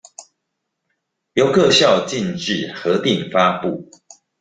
由各校逕自核定發布